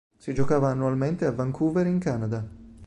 Si giocava annualmente a Vancouver in Canada.